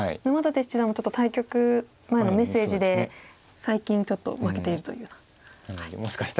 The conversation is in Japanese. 沼舘七段もちょっと対局前のメッセージで最近ちょっと負けているというような。